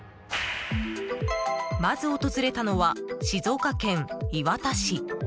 まず訪れたのは静岡県磐田市。